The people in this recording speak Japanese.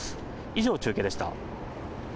以上、中継でした。